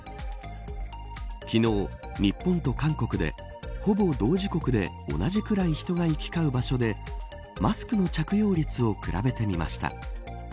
昨日、日本と韓国でほぼ同時刻で同じくらい人が行き交う場所でマスクの着用率を比べてみました。